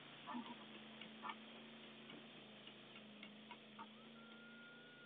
mitihani humfika kila mtu aliyeumbwa duniani kukwepa hatothubutu Huna njia ya kumkwepa Mungu Huna